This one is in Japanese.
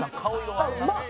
あっうまっ！